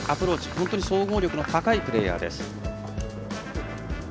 本当に総合力の高いプレーヤーです。